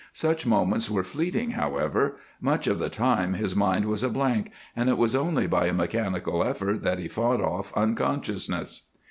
Such moments were fleeting, however; much of the time his mind was a blank, and it was only by a mechanical effort that he fought off unconsciousness.